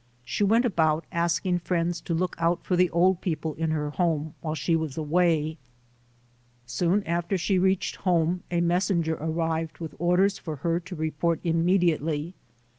She went about asking friends to look out for the old people in her home while she was away. Soon after she reached home, a messenger ar rived with orders for her to report immediately.